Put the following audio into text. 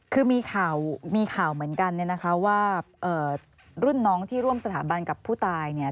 คือมีข่าวเหมือนกันว่ารุ่นน้องที่ร่วมสถาบันกับผู้ตาย